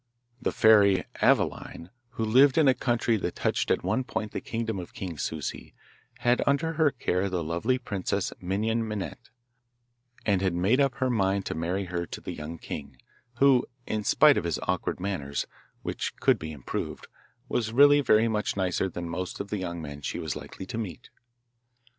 The fairy Aveline, who lived in a country that touched at one point the kingdom of King Souci, had under her care the lovely Princess Minon Minette, and had made up her mind to marry her to the young king, who, in spite of his awkward manners, which could be improved, was really very much nicer than most of the young men she was likely to meet.